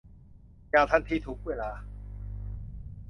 อย่างทันที ทุกเวลา